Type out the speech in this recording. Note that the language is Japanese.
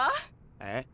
えっ？